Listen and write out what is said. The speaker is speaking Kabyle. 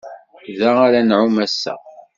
Da ara nɛum ass-a.